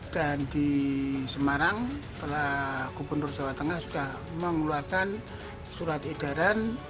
dan di semarang kepala gubernur jawa tengah sudah mengeluarkan surat edaran